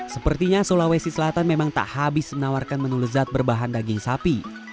sepertinya sulawesi selatan memang tak habis menawarkan menu lezat berbahan daging sapi